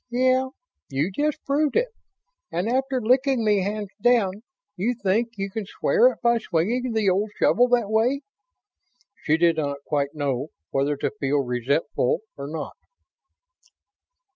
"Yeah. You just proved it. And after licking me hands down, you think you can square it by swinging the old shovel that way?" She did not quite know whether to feel resentful or not.